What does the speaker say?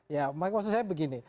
ya maksud saya begini